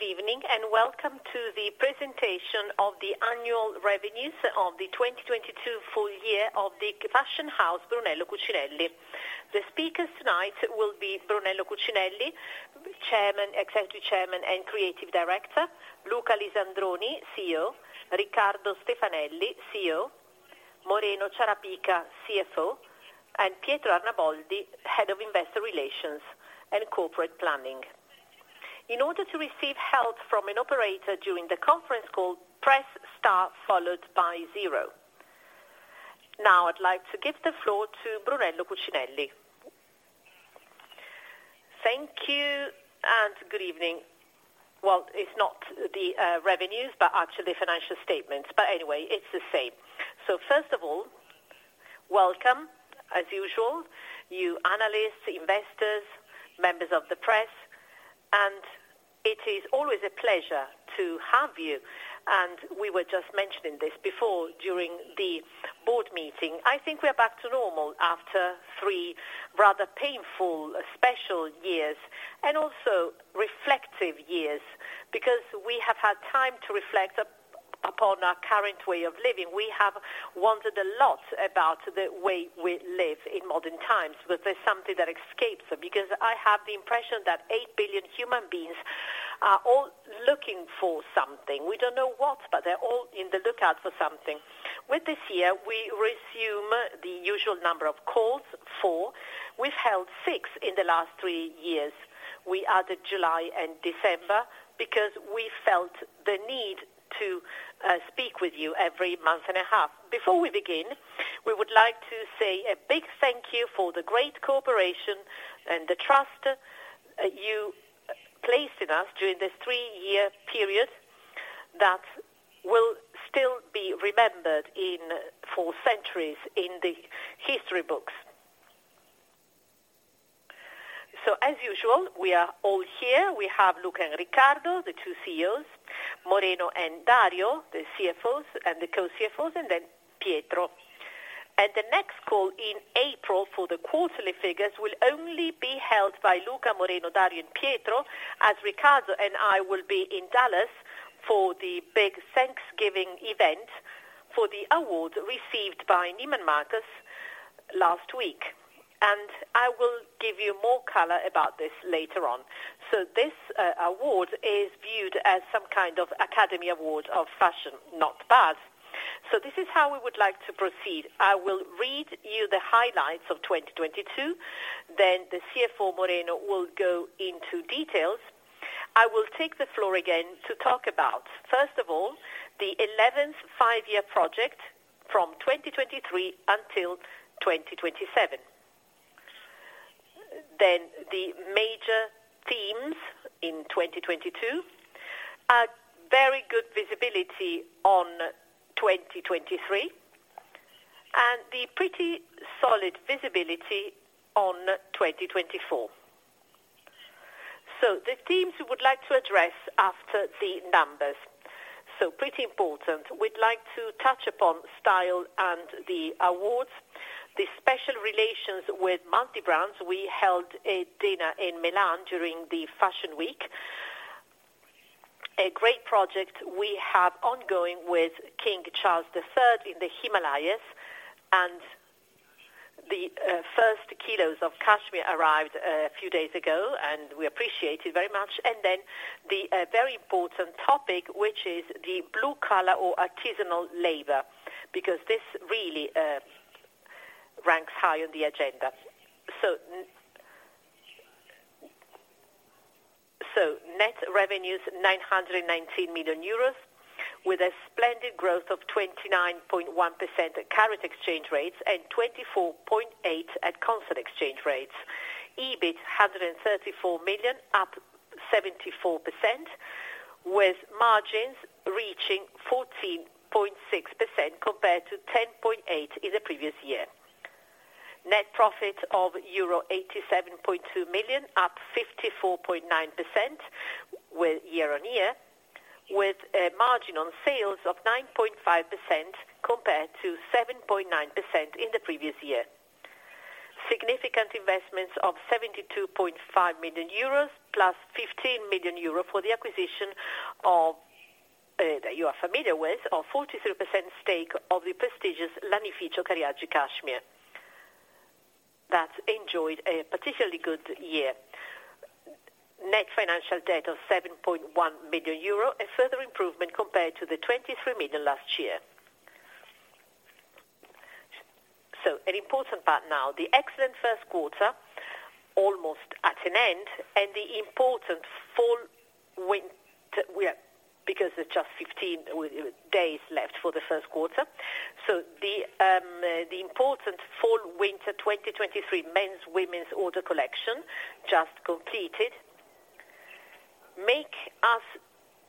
Good evening and welcome to the presentation of the Annual Revenues of the 2022 Full-Year of the Fashion House, Brunello Cucinelli. The speakers tonight will be Brunello Cucinelli, Chairman, Executive Chairman, and Creative Director. Luca Lisandroni, CEO. Riccardo Stefanelli, CEO. Moreno Ciarapica, CFO, and Pietro Arnaboldi, Head of Investor Relations and Corporate Planning. In order to receive help from an operator during the conference call, press star followed by zero. Now I'd like to give the floor to Brunello Cucinelli. Thank you and good evening. Well, it's not the revenues, but actually financial statements. Anyway, it's the same. First of all, welcome, as usual, you analysts, investors, members of the press, and it is always a pleasure to have you. We were just mentioning this before, during the board meeting. I think we are back to normal after three rather painful special years and also reflective years because we have had time to reflect upon our current way of living. We have wondered a lot about the way we live in modern times. There's something that escapes because I have the impression that 8 billion human beings are all looking for something. We don't know what, but they're all in the lookout for something. With this year, we resume the usual number of calls, four. We've held six in the last three years. We added July and December because we felt the need to speak with you every month and a half. Before we begin, we would like to say a big thank you for the great cooperation and the trust you placed in us during this three-year period that will still be remembered for centuries in the history books. As usual, we are all here. We have Luca and Riccardo, the two CEOs, Moreno and Dario, the CFOs and the co-CFOs, and then Pietro. The next call in April for the quarterly figures will only be held by Luca, Moreno, Dario, and Pietro as Riccardo and I will be in Dallas for the big Thanksgiving event for the award received by Neiman Marcus last week. I will give you more color about this later on. This award is viewed as some kind of academy award of fashion, not bad. This is how we would like to proceed. I will read you the highlights of 2022. The CFO, Moreno, will go into details. I will take the floor again to talk about, first of all, the 11th five-year project from 2023 until 2027. The major themes in 2022 are very good visibility on 2023 and the pretty solid visibility on 2024. The themes we would like to address after the numbers, so pretty important. We'd like to touch upon style and the awards, the special relations with multi-brands. We held a dinner in Milan during the Fashion Week. A great project we have ongoing with King Charles III in the Himalayas. The first kilos of cashmere arrived a few days ago. We appreciate it very much. The very important topic, which is the blue collar or artisanal labor, because this really ranks high on the agenda. Net revenues 919 million euros, with a splendid growth of 29.1% at current exchange rates and 24.8% at constant exchange rates. EBIT 134 million, up 74%, with margins reaching 14.6% compared to 10.8% in the previous year. Net profit of euro 87.2 million, up 54.9% year-on-year, with a margin on sales of 9.5% compared to 7.9% in the previous year. Significant investments of 72.5 million euros plus 15 million euros for the acquisition of that you are familiar with, of 43% stake of the prestigious Lanificio Cariaggi cashmere that enjoyed a particularly good year. Net financial debt of 7.1 million euro, a further improvement compared to the 23 million last year. An important part now, the excellent first quarter, almost at an end, because there's just 15 days left for the first quarter. The important fall winter 2023 men's, women's order collection just completed make us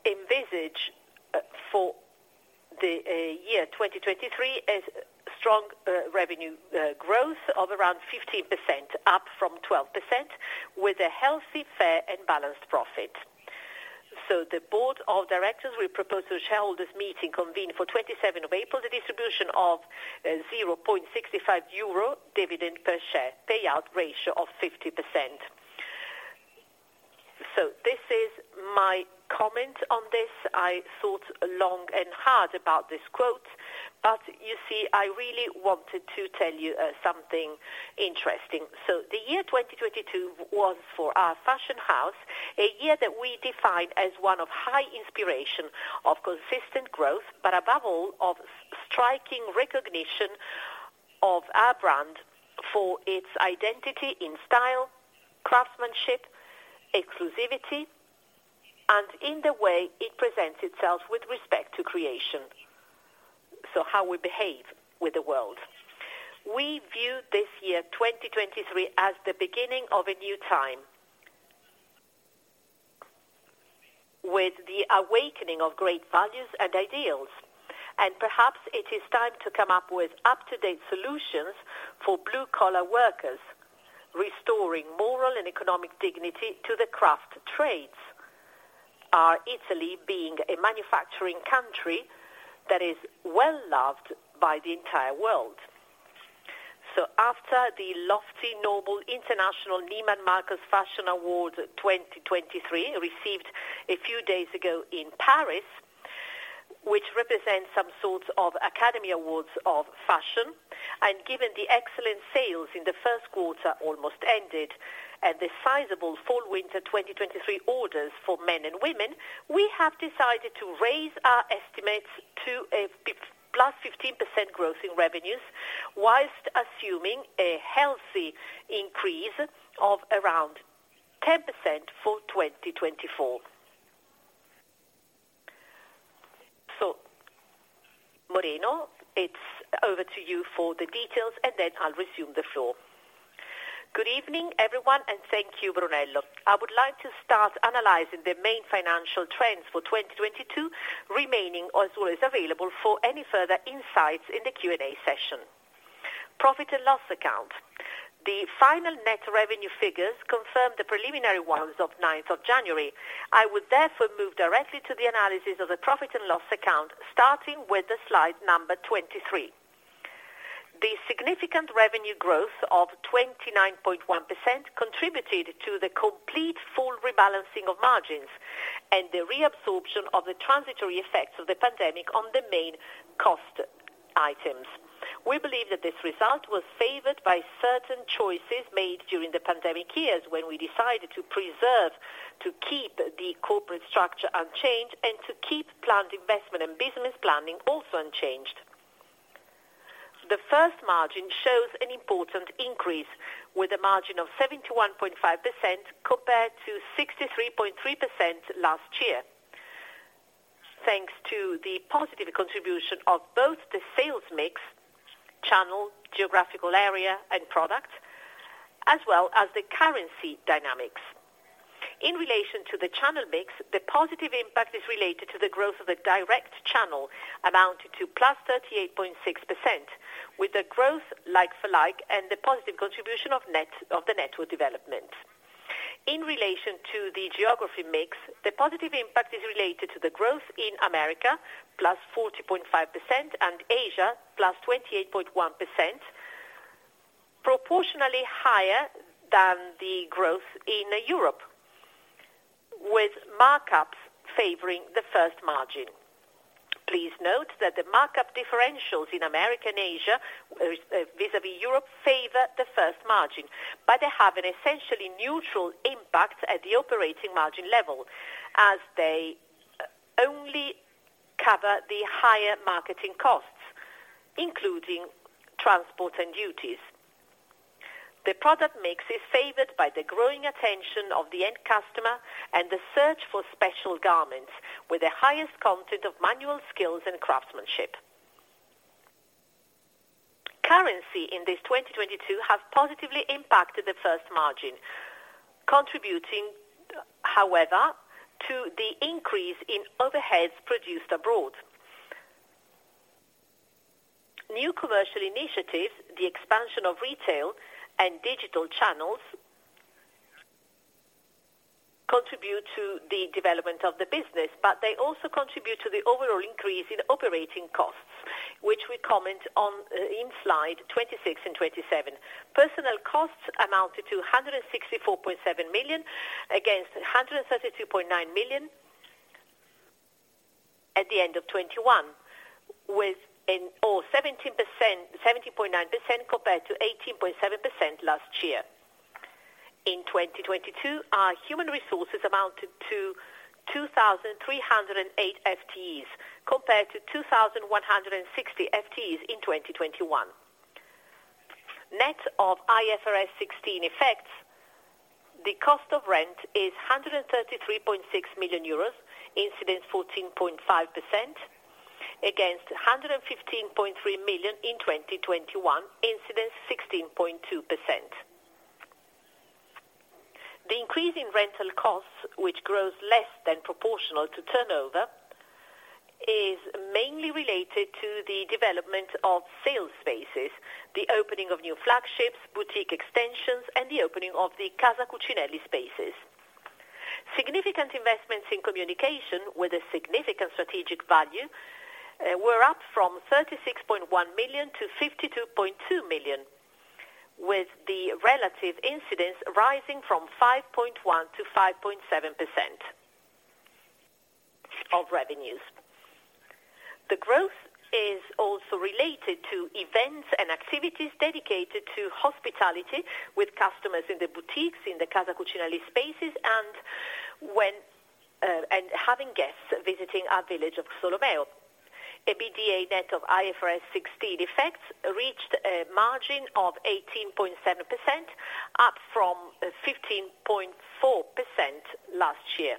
envisage for the year 2023 as strong revenue growth of around 15%, up from 12%, with a healthy, fair and balanced profit. The board of directors will propose to the shareholders' meeting convened for 27 of April, the distribution of 0.65 euro dividend per share, payout ratio of 50%. This is my comment on this. I thought long and hard about this quote, but you see, I really wanted to tell you something interesting. The year 2022 was for our fashion house, a year that we defined as one of high inspiration of consistent growth, but above all, of striking recognition of our brand for its identity in style, craftsmanship, exclusivity, and in the way it presents itself with respect to creation. How we behave with the world. We view this year, 2023, as the beginning of a new time. With the awakening of great values and ideals, perhaps it is time to come up with up-to-date solutions for blue collar workers, restoring moral and economic dignity to the craft trades. Our Italy being a manufacturing country that is well loved by the entire world. After the lofty noble International Neiman Marcus Fashion Award 2023, received a few days ago in Paris, which represents some sorts of Academy Awards of fashion, and given the excellent sales in the first quarter, almost ended, and the sizable fall winter 2023 orders for men and women, we have decided to raise our estimates to a +15% growth in revenues, whilst assuming a healthy increase of around 10% for 2024. Moreno, it's over to you for the details, and then I'll resume the floor. Good evening, everyone, and thank you, Brunello. I would like to start analyzing the main financial trends for 2022 remaining, as well as available for any further insights in the Q&A session. Profit and loss account. The final net revenue figures confirmed the preliminary ones of 9th of January. I would therefore move directly to the analysis of the profit and loss account, starting with the slide number 23. The significant revenue growth of 29.1% contributed to the complete full rebalancing of margins and the reabsorption of the transitory effects of the pandemic on the main cost items. We believe that this result was favored by certain choices made during the pandemic years, when we decided to preserve, to keep the corporate structure unchanged and to keep plant investment and business planning also unchanged. The first margin shows an important increase, with a margin of 71.5% compared to 63.3% last year. Thanks to the positive contribution of both the sales mix, channel, geographical area and product, as well as the currency dynamics. In relation to the channel mix, the positive impact is related to the growth of the direct channel, amounting to +38.6%, with the growth Like-for-like and the positive contribution of the network development. In relation to the geography mix, the positive impact is related to the growth in America, +40.5% and Asia +28.1%, proportionally higher than the growth in Europe, with markups favoring the first margin. Please note that the markup differentials in American Asia, vis-a-vis Europe favor the first margin, but they have an essentially neutral impact at the operating margin level, as they only cover the higher marketing costs, including transport and duties. The product mix is favored by the growing attention of the end customer and the search for special garments with the highest content of manual skills and craftsmanship. Currency in this 2022 have positively impacted the first margin, contributing, however, to the increase in overheads produced abroad. New commercial initiatives, the expansion of retail and digital channels contribute to the development of the business, but they also contribute to the overall increase in operating costs, which we comment on in slide 26 and 27. Personnel costs amounted to 164.7 million, against 132.9 million at the end of 2021, with 17.9% compared to 18.7% last year. In 2022, our human resources amounted to 2,308 FTEs, compared to 2,160 FTEs in 2021. Net of IFRS 16 effects, the cost of rent is 133.6 million euros, incidence 14.5% against 115.3 million in 2021, incidence 16.2%. The increase in rental costs, which grows less than proportional to turnover, is mainly related to the development of sales spaces, the opening of new flagships, boutique extensions, and the opening of the Casa Cucinelli spaces. Significant investments in communication with a significant strategic value, were up from 36.1 million to 52.2 million. With the relative incidents rising from 5.1%-5.7% of revenues. The growth is also related to events and activities dedicated to hospitality with customers in the boutiques, in the Casa Cucinelli spaces, and when, and having guests visiting our village of Solomeo. EBITDA net of IFRS 16 effects reached a margin of 18.7%, up from 15.4% last year.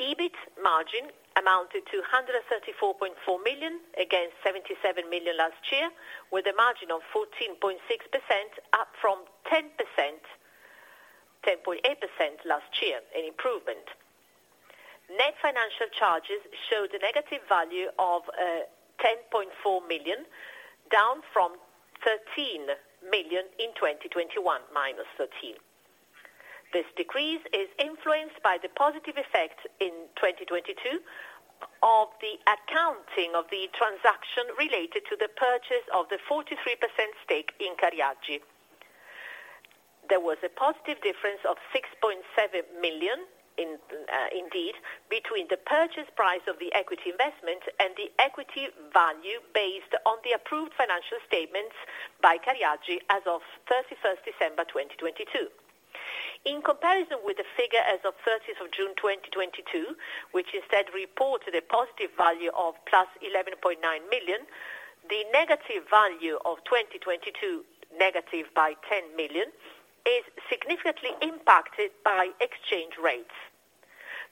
EBIT margin amounted to 134.4 million against 77 million last year, with a margin of 14.6% up from 10%, 10.8% last year, an improvement. Net financial charges showed a negative value of 10.4 million, down from 13 million in 2021, -13. This decrease is influenced by the positive effect in 2022 of the accounting of the transaction related to the purchase of the 43% stake in Cariaggi. There was a positive difference of 6.7 million, indeed, between the purchase price of the equity investment and the equity value based on the approved financial statements by Cariaggi as of December 31, 2022. In comparison with the figure as of June 30, 2022, which instead reports a positive value of +11.9 million, the negative value of 2022, negative by 10 million, is significantly impacted by exchange rates.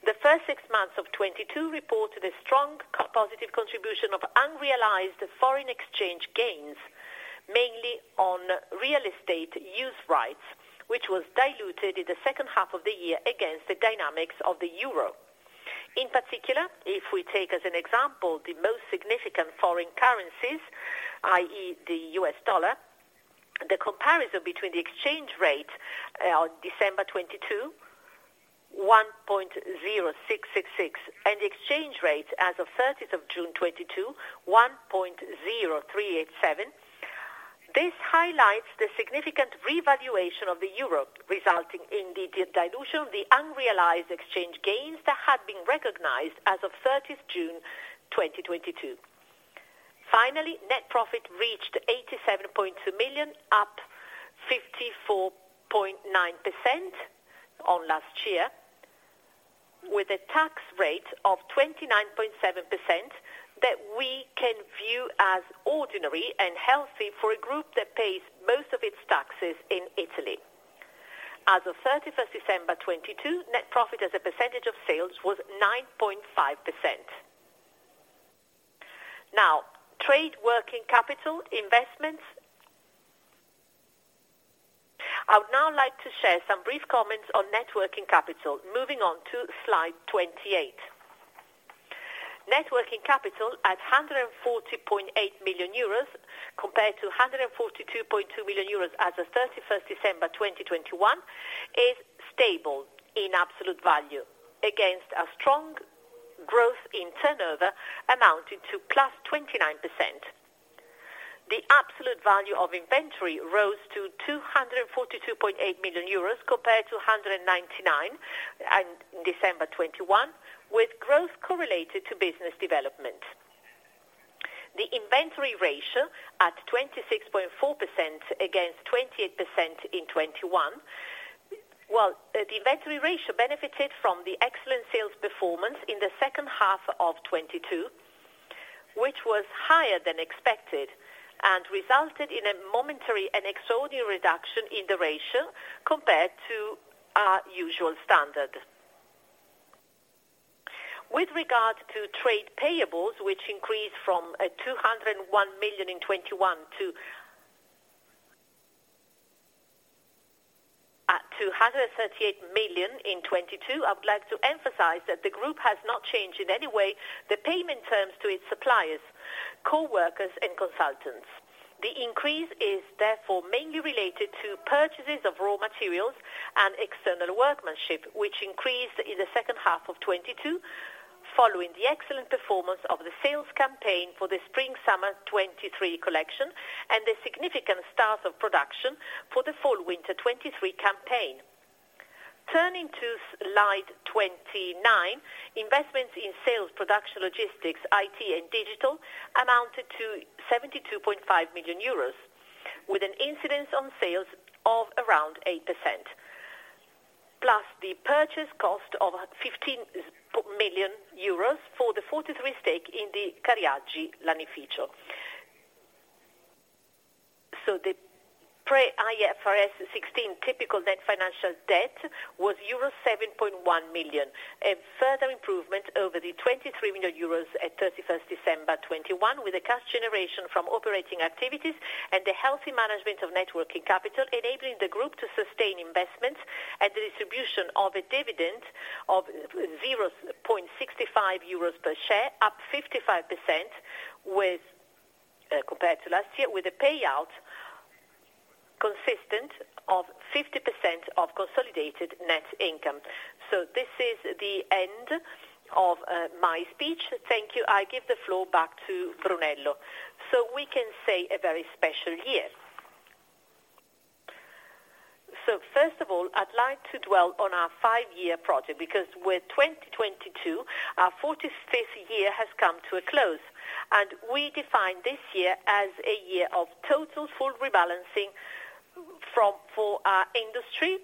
The first six months of 2022 reported a strong co-positive contribution of unrealized foreign exchange gains, mainly on real estate use rights, which was diluted in the second half of the year against the dynamics of the euro. In particular, if we take as an example the most significant foreign currencies, i.e. the US dollar, the comparison between the exchange rate on December 22, 1.0666, and the exchange rate as of June 30, 2022, 1.0387. This highlights the significant revaluation of the euro, resulting in the dilution of the unrealized exchange gains that had been recognized as of 3rd of June 2022. Finally, net profit reached 87.2 million, up 54.9% on last year, with a tax rate of 29.7% that we can view as ordinary and healthy for a group that pays most of its taxes in Italy. As of 31st December 2022, net profit as a percentage of sales was 9.5%. Now, trade working capital investments. I would now like to share some brief comments on net working capital, moving on to slide 28. Net working capital at 140.8 million euros compared to 142.2 million euros as of 31st December 2021, is stable in absolute value against a strong growth in turnover amounting to +29%. The absolute value of inventory rose to 242.8 million euros compared to 199 million in December 2021, with growth correlated to business development. The inventory ratio at 26.4% against 20% in 2021. Well, the inventory ratio benefited from the excellent sales performance in the second half of 2022, which was higher than expected and resulted in a momentary and extraordinary reduction in the ratio compared to our usual standard. With regard to trade payables, which increased from 201 million in 2021 to EUR 238 million in 2022, I would like to emphasize that the group has not changed in any way the payment terms to its suppliers, co-workers, and consultants. The increase is therefore mainly related to purchases of raw materials and external workmanship, which increased in the second half of 2022, following the excellent performance of the sales campaign for the Spring Summer 2023 collection and the significant start of production for the Fall Winter 2023 campaign. Turning to slide 29, investments in sales, production, logistics, IT, and digital amounted to 72.5 million euros, with an incidence on sales of around 8%, plus the purchase cost of 15 million euros for the 43% stake in the Cariaggi Lanificio. The pre-IFRS 16 typical net financial debt was euro 7.1 million, a further improvement over the 23 million euros at 31st December 2021, with a cash generation from operating activities and the healthy management of net working capital enabling the group to sustain investments at the distribution of a dividend of 0.65 euros per share, up 55% compared to last year, with a payout consistent of 50% of consolidated net income. This is the end of my speech. Thank you. I give the floor back to Brunello. We can say a very special year. First of all, I'd like to dwell on our five-year project, because with 2022, our 45th year has come to a close, and we define this year as a year of total full rebalancing for our industry.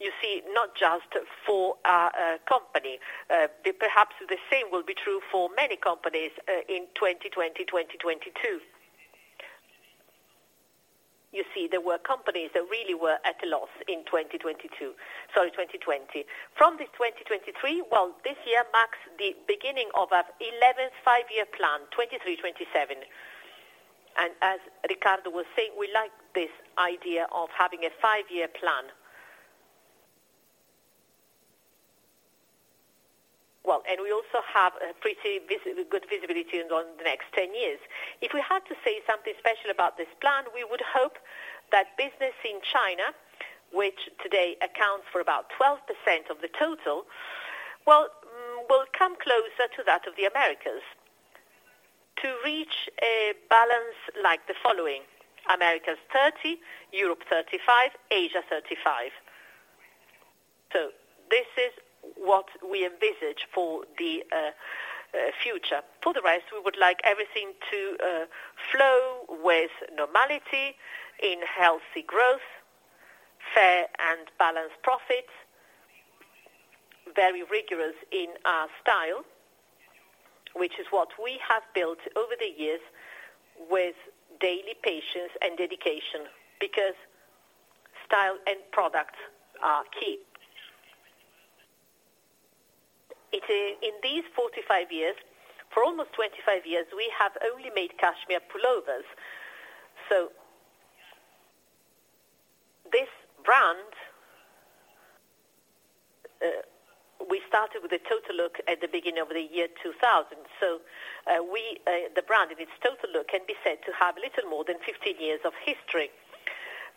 You see, not just for our company. Perhaps the same will be true for many companies in 2020, 2022. You see, there were companies that really were at a loss in 2022. Sorry, 2020. From this 2023, well, this year marks the beginning of our 11th five-year plan, 2023-2027. As Riccardo was saying, we like this idea of having a five-year plan. We also have a pretty good visibility on the next 10 years. If we had to say something special about this plan, we would hope that business in China, which today accounts for about 12% of the total, well, will come closer to that of the Americas. To reach a balance like the following: Americas 30%, Europe 35%, Asia 35%. This is what we envisage for the future. For the rest, we would like everything to flow with normality in healthy growth, fair and balanced profit, very rigorous in our style, which is what we have built over the years with daily patience and dedication, because style and product are key. In these 45 years, for almost 25 years, we have only made cashmere pullovers. This brand, we started with a total look at the beginning of the year 2000. We, the brand in its total look, can be said to have little more than 15 years of history.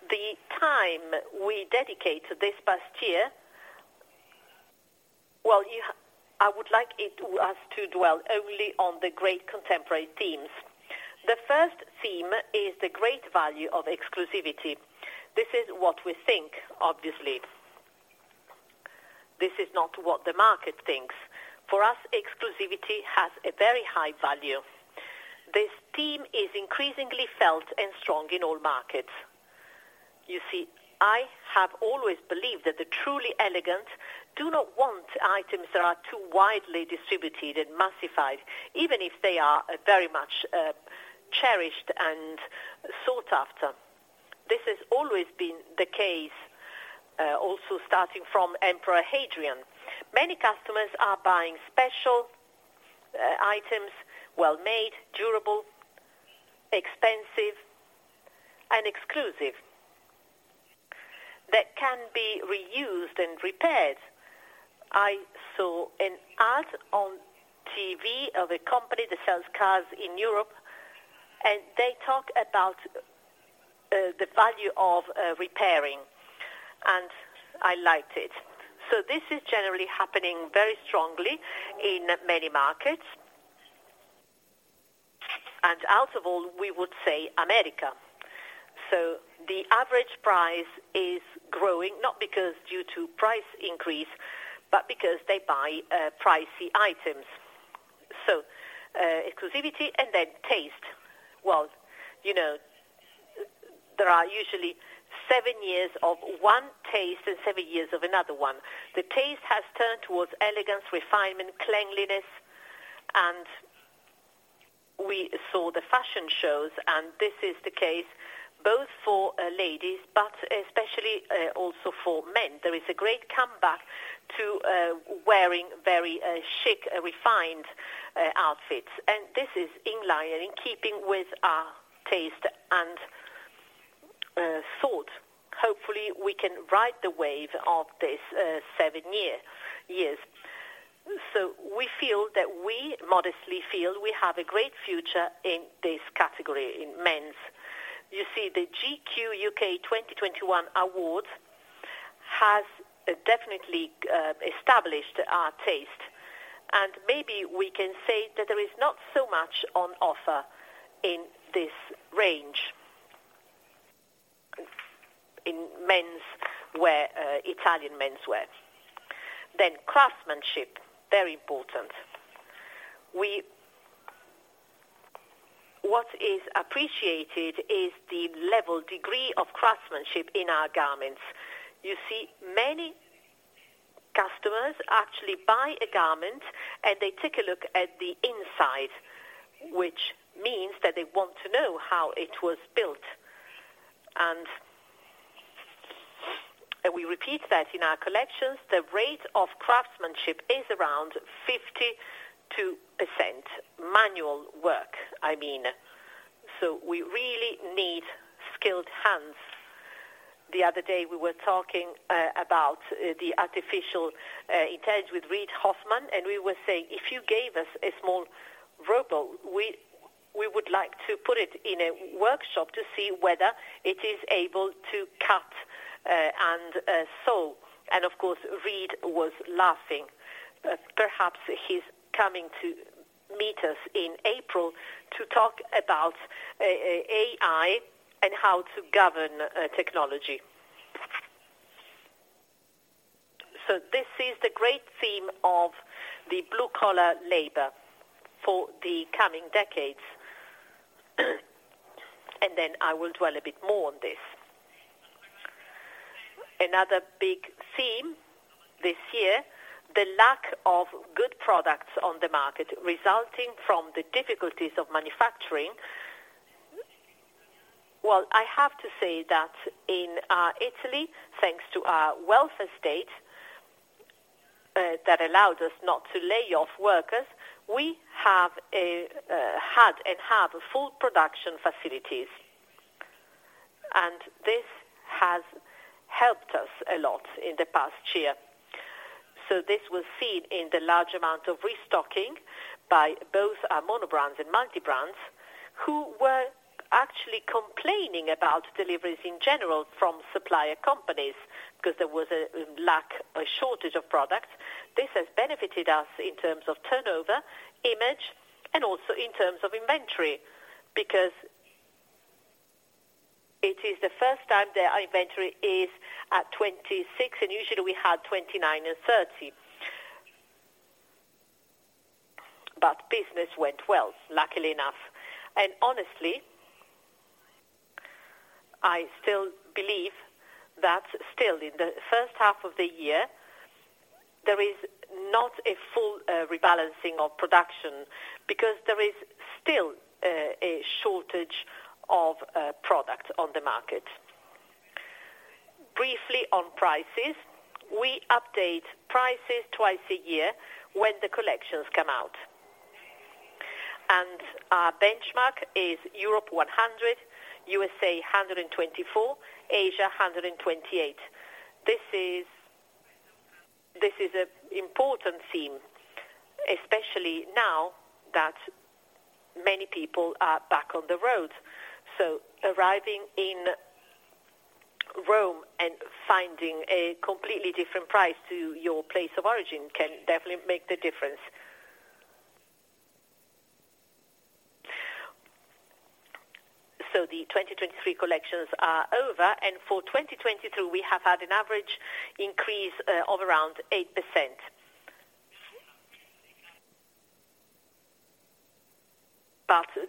The time we dedicate this past year, well, I would like it, us to dwell only on the great contemporary themes. The first theme is the great value of exclusivity. This is what we think, obviously. This is not what the market thinks. For us, exclusivity has a very high value. This theme is increasingly felt and strong in all markets. You see, I have always believed that the truly elegant do not want items that are too widely distributed and massified, even if they are very much cherished and sought after. This has always been the case, also starting from Emperor Hadrian. Many customers are buying special items, well-made, durable, expensive and exclusive that can be reused and repaired. I saw an Ad on TV of a company that sells cars in Europe, and they talk about the value of repairing, and I liked it. This is generally happening very strongly in many markets. Out of all, we would say America. The average price is growing, not because due to price increase, but because they buy pricey items. Exclusivity and then taste. Well, you know, there are usually seven years of one taste and seven years of another one. The taste has turned towards elegance, refinement, cleanliness, and we saw the fashion shows, and this is the case both for ladies, but especially also for men. There is a great comeback to wearing very chic, refined outfits. This is in line and in keeping with our taste and thought. Hopefully, we can ride the wave of this seven years. We feel that we modestly feel we have a great future in this category in men's. You see, the GQ UK 2021 awards has definitely established our taste. Maybe we can say that there is not so much on offer in this range. In men's wear, Italian men's wear. Craftsmanship, very important. What is appreciated is the level degree of craftsmanship in our garments. You see, many customers actually buy a garment, and they take a look at the inside, which means that they want to know how it was built. We repeat that in our collections, the rate of craftsmanship is around 52%. Manual work, I mean. We really need skilled hands. The other day, we were talking about the artificial intelligence with Reid Hoffman, and we were saying, if you gave us a small robot, we would like to put it in a workshop to see whether it is able to cut and sew. Of course, Reid was laughing. Perhaps he's coming to meet us in April to talk about AI and how to govern technology. This is the great theme of the blue-collar labor for the coming decades. I will dwell a bit more on this. Another big theme this year, the lack of good products on the market resulting from the difficulties of manufacturing. Well, I have to say that in Italy, thanks to our welfare state, that allowed us not to lay off workers, we have had and have full production facilities, and this has helped us a lot in the past year. This was seen in the large amount of restocking by both our mono brands and multi brands who were actually complaining about deliveries in general from supplier companies because there was a lack, a shortage of products. This has benefited us in terms of turnover, image, and also in terms of inventory, because it is the first time that our inventory is at 26 and usually we had 29 and 30. Business went well, luckily enough. Honestly, I still believe that still in the first half of the year, there is not a full rebalancing of production because there is still a shortage of product on the market. Briefly on prices, we update prices twice a year when the collections come out. Our benchmark is Europe 100, USA 124, Asia 128. This is an important theme, especially now that many people are back on the road. Arriving in Rome and finding a completely different price to your place of origin can definitely make the difference. The 2023 collections are over, and for 2022, we have had an average increase of around 8%.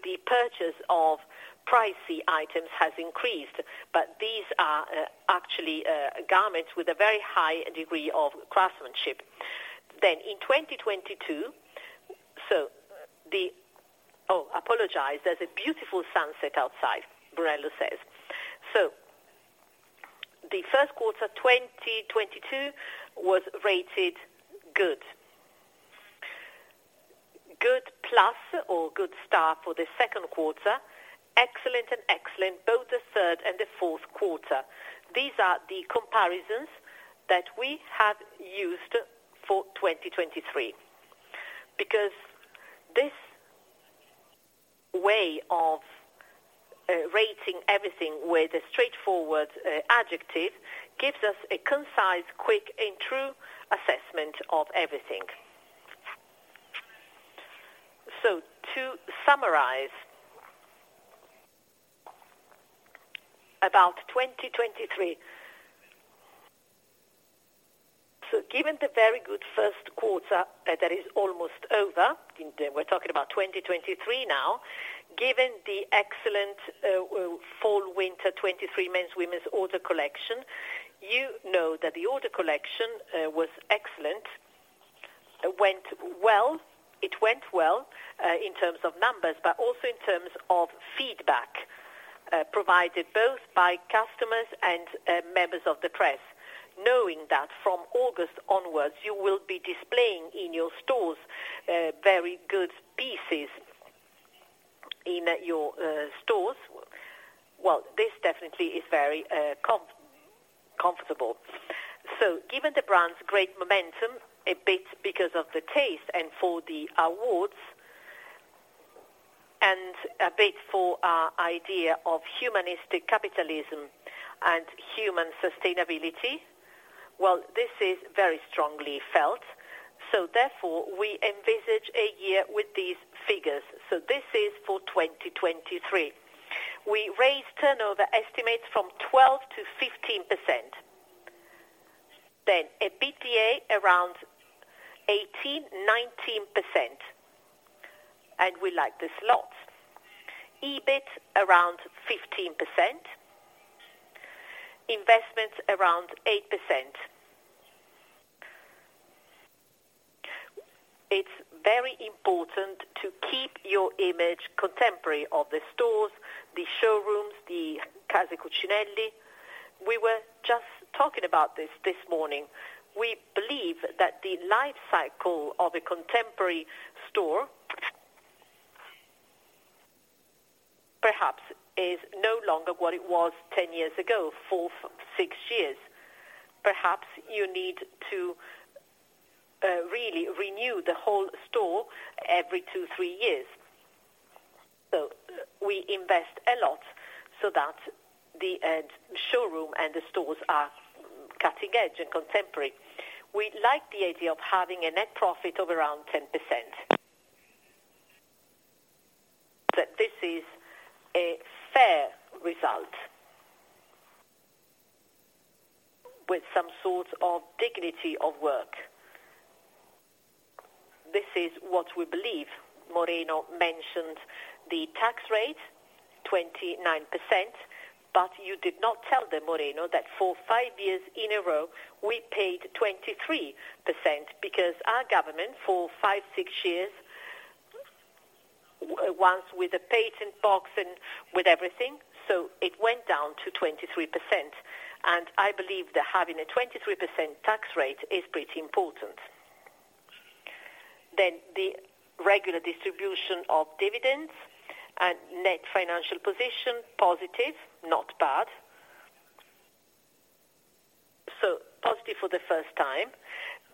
The purchase of pricey items has increased. These are actually garments with a very high degree of craftsmanship. In 2022, There's a beautiful sunset outside, Brunello says. The first quarter, 2022 was rated good. Good plus or good star for the second quarter. Excellent and excellent, both the third and the fourth quarter. These are the comparisons that we have used for 2023. This way of rating everything with a straightforward adjective gives us a concise, quick, and true assessment of everything. To summarize. About 2023. Given the very good first quarter that is almost over, and we're talking about 2023 now. Given the excellent fall/winter 23 men's, women's order collection, you know that the order collection was excellent. It went well. It went well in terms of numbers, but also in terms of feedback provided both by customers and members of the press. Knowing that from August onwards, you will be displaying in your stores very good pieces in your stores. Well, this definitely is very comfortable. Given the brand's great momentum, a bit because of the taste and for the awards, and a bit for our idea of humanistic capitalism and human sustainability, well, this is very strongly felt. We envisage a year with these figures. This is for 2023. We raise turnover estimates from 12% to 15%. EBITDA around 18%-19%, and we like this lot. EBIT around 15%. Investment around 8%. It's very important to keep your image contemporary of the stores, the showrooms, the Casa Cucinelli. We were just talking about this this morning. We believe that the life cycle of a contemporary store. Perhaps is no longer what it was 10 years ago, four, six years. Perhaps you need to really renew the whole store every two, three years. We invest a lot so that the showroom and the stores are cutting edge and contemporary. We like the idea of having a net profit of around 10%. This is a fair result. With some sort of dignity of work. This is what we believe. Moreno mentioned the tax rate, 29%. You did not tell them, Moreno, that for five years in a row, we paid 23% because our government for 5, 6 years, once with the patent box and with everything, so it went down to 23%. I believe that having a 23% tax rate is pretty important. The regular distribution of dividends and net financial position, positive, not bad. Positive for the first time.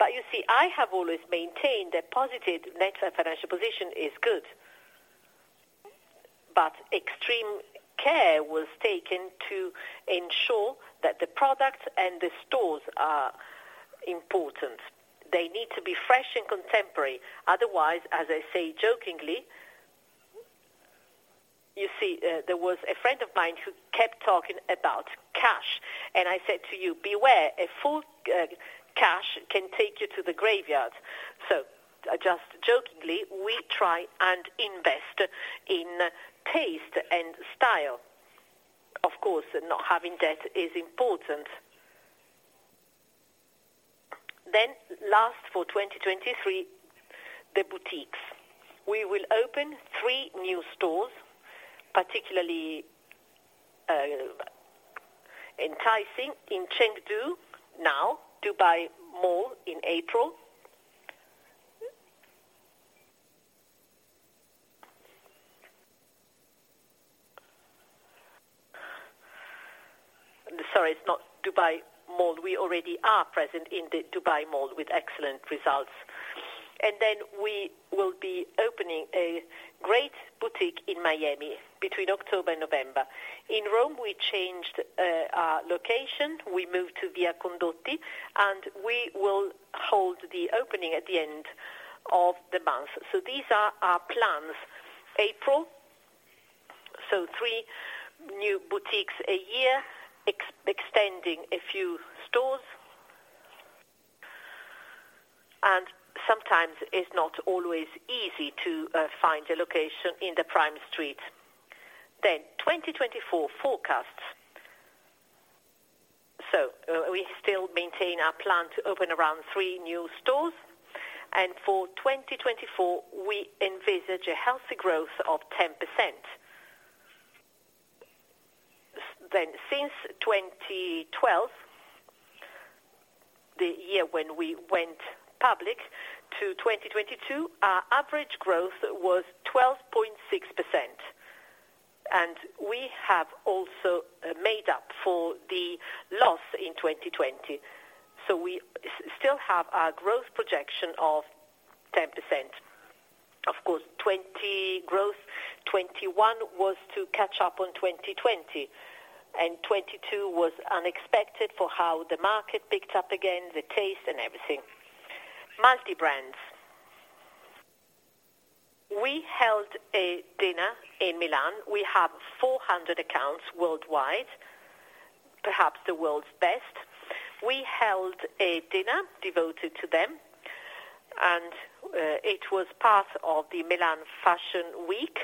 You see, I have always maintained a positive net financial position is good. Extreme care was taken to ensure that the product and the stores are important. They need to be fresh and contemporary. Otherwise, as I say jokingly, you see, there was a friend of mine who kept talking about cash, I said to you, "Beware, a full cash can take you to the graveyard." Just jokingly, we try and invest in taste and style. Of course, not having debt is important. Last for 2023, the boutiques. We will open three new stores, particularly enticing in Chengdu now, Dubai Mall in April. Sorry, it's not Dubai Mall. We already are present in the Dubai Mall with excellent results. We will be opening a great boutique in Miami between October and November. In Rome, we changed our location. We moved to Via Condotti, we will hold the opening at the end of the month. These are our plans, April. Three new boutiques a year, extending a few stores. Sometimes it's not always easy to find a location in the Prime Street. 2024 forecasts. We still maintain our plan to open around three new stores. For 2024, we envisage a healthy growth of 10%. Since 2012, the year when we went public to 2022, our average growth was 12.6%. We have also made up for the loss in 2020. We still have our growth projection of 10%. Of course, 20 growth. 2021 was to catch up on 2020, and 2022 was unexpected for how the market picked up again, the taste and everything. Multibrands. We held a dinner in Milan. We have 400 accounts worldwide, perhaps the world's best. We held a dinner devoted to them, it was part of the Milan Fashion Week.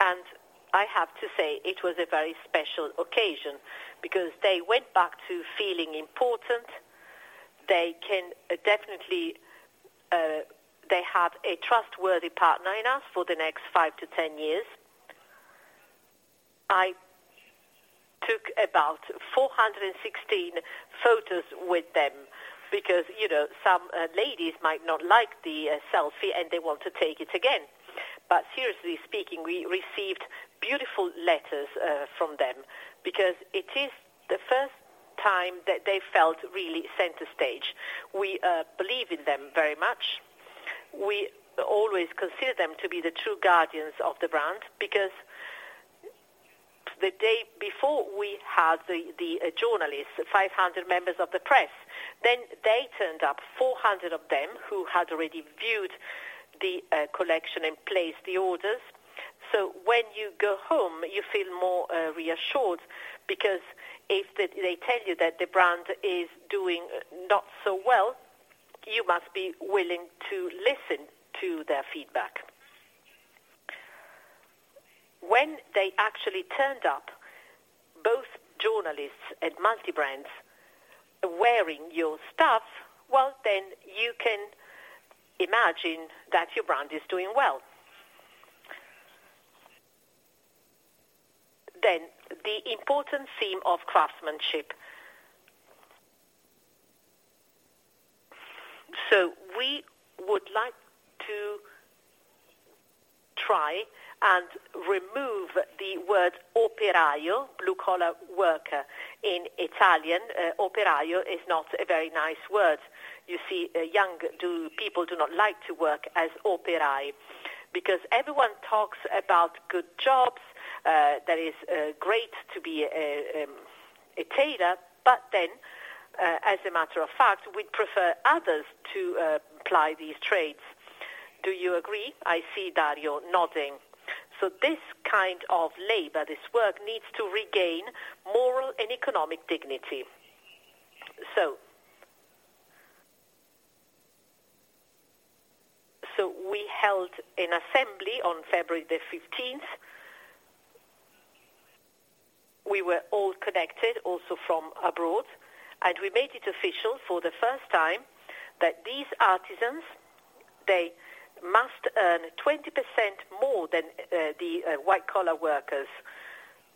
I have to say it was a very special occasion because they went back to feeling important. They can definitely, they have a trustworthy partner in us for the next 5-10 years. I took about 416 photos with them because, you know, some ladies might not like the selfie, and they want to take it again. Seriously speaking, we received beautiful letters from them because it is the first time that they felt really center stage. We believe in them very much. We always consider them to be the true guardians of the brand because the day before, we had the journalists, 500 members of the press. They turned up 400 of them who had already viewed the collection and placed the orders. When you go home, you feel more reassured because if they tell you that the brand is doing not so well, you must be willing to listen to their feedback. When they actually turned up, both journalists and multibrands wearing your stuff, well, then you can imagine that your brand is doing well. The important theme of craftsmanship. We would like to try and remove the word operaio, blue collar worker. In Italian, operaio is not a very nice word. You see, young people do not like to work as operai because everyone talks about good jobs. That is great to be a tailor. As a matter of fact, we prefer others to ply these trades. Do you agree? I see Dario nodding. This kind of labor, this work needs to regain moral and economic dignity. We held an assembly on February 15th. We were all connected also from abroad, and we made it official for the first time that these artisans, they must earn 20% more than the white collar workers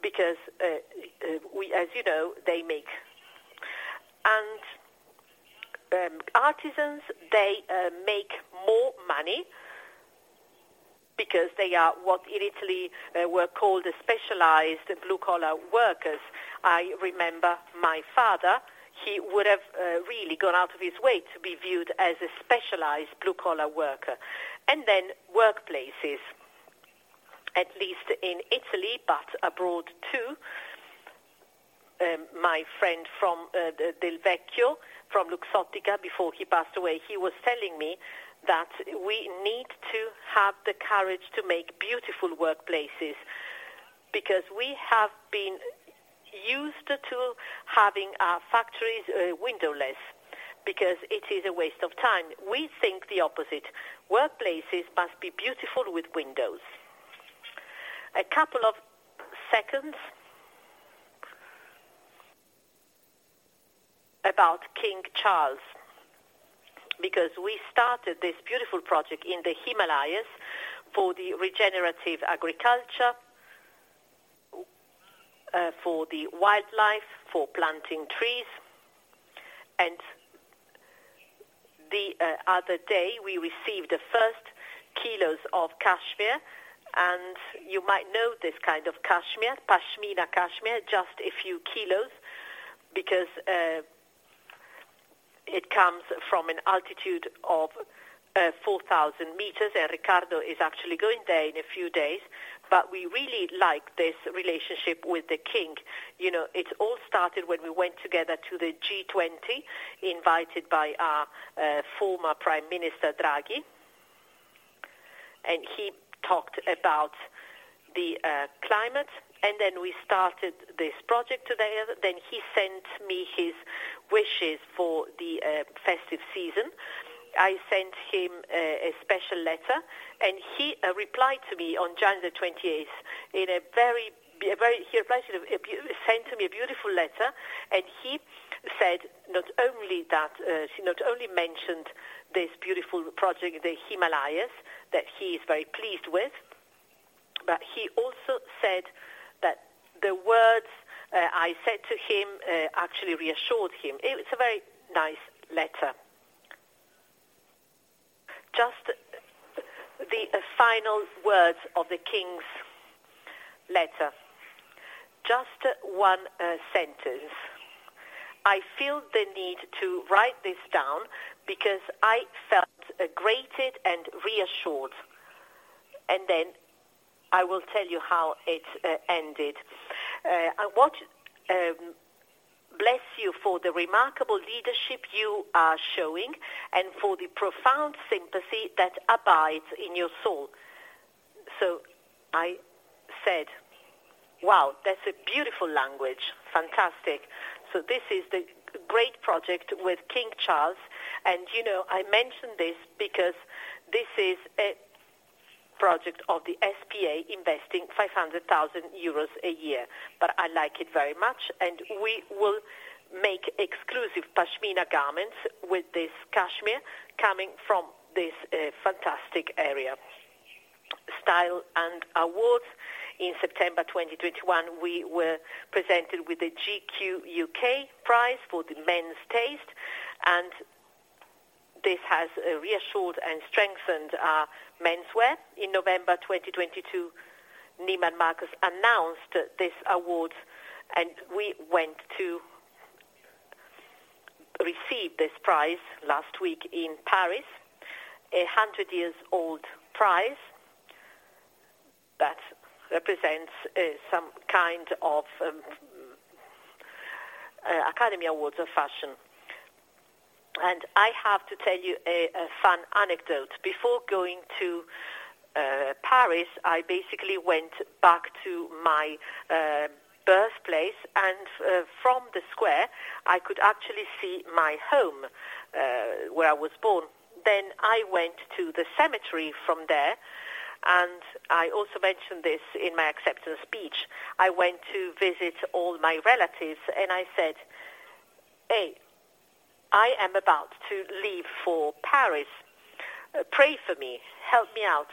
because as you know, they make. Artisans, they make more money because they are what in Italy were called a specialized blue collar workers. I remember my father, he would have really gone out of his way to be viewed as a specialized blue collar worker. Workplaces, at least in Italy, but abroad too. My friend from Del Vecchio from Luxottica before he passed away, he was telling me that we need to have the courage to make beautiful workplaces because we have been used to having our factories windowless because it is a waste of time. We think the opposite. Workplaces must be beautiful with windows. A couple of seconds about King Charles, because we started this beautiful project in the Himalayas for the regenerative agriculture, for the wildlife, for planting trees. The other day, we received the first kilos of cashmere. You might know this kind of cashmere, pashmina cashmere. Just a few kilos because it comes from an altitude of 4,000 meters. Riccardo is actually going there in a few days. We really like this relationship with the King. You know, it all started when we went together to the G20, invited by our former Prime Minister, Draghi, he talked about the climate. We started this project together. He sent me his wishes for the festive season. I sent him a special letter, he replied to me on January the twentieth in a very beautiful letter, he said, not only that, he not only mentioned this beautiful project in the Himalayas that he is very pleased with, but he also said that the words I said to him actually reassured him. It's a very nice letter. Just the final words of the King's letter. Just one sentence. I feel the need to write this down because I felt grated and reassured. I will tell you how it ended. I want bless you for the remarkable leadership you are showing and for the profound sympathy that abides in your soul. I said, "Wow, that's a beautiful language. Fantastic." This is the great project with King Charles. You know, I mention this because this is a project of the SPA investing 500,000 euros a year. I like it very much. We will make exclusive pashmina garments with this cashmere coming from this fantastic area. Style and awards. In September 2021, we were presented with the GQ UK prize for the men's taste, and this has reassured and strengthened our menswear. In November 2022, Neiman Marcus announced this award, and we went to receive this prize last week in Paris. A 100-year-old prize that represents some kind of Academy Awards of fashion. I have to tell you a fun anecdote. Before going to Paris, I basically went back to my birthplace, from the square, I could actually see my home where I was born. I went to the cemetery from there, I also mentioned this in my acceptance speech. I went to visit all my relatives, I said, "Hey, I am about to leave for Paris. Pray for me, help me out,